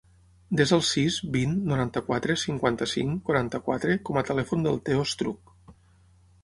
Desa el sis, vint, noranta-quatre, cinquanta-cinc, quaranta-quatre com a telèfon del Theo Estruch.